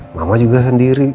mama juga sendiri